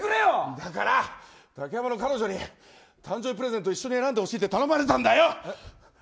だから、彼女に誕生日プレゼント一緒に選んでほしいって頼まれたんだよ。